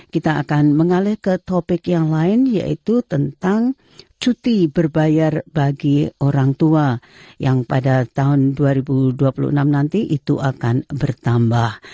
pada tahun dua ribu dua puluh enam nanti itu akan bertambah